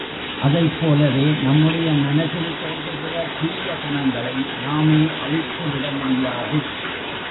அதைப்போலவே நம்முடைய மனத்தில் தோன்றுகிற தீய குணங்களை நாமே அழித்துவிட முடியாது.